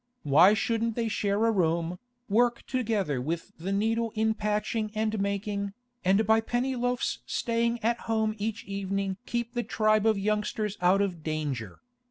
Why shouldn't they share a room, work together with the needle in patching and making, and by Pennyloaf's staying at home each evening keep the tribe of youngsters out of danger?